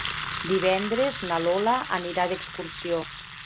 Divendres na Lola anirà d'excursió.